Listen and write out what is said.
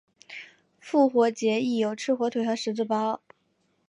复活节亦有吃火腿和十字包。